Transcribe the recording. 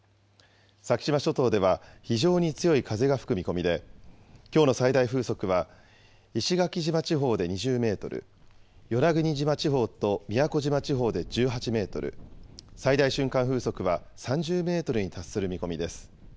先島諸島では非常に強い風が吹く見込みで、きょうの最大風速は石垣島地方で２０メートル、与那国島地方と宮古島地方で１８メートル、最大瞬間風速は３０メートルに達する見込みです。